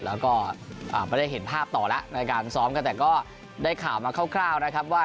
และก็ไม่ได้เห็นภาพต่อและการซ้อมแต่ก็ได้ข่าวมาคร่าวว่า